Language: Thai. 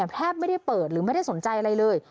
แทบไม่ได้เปิดหรือไม่ได้สนใจอะไรเลย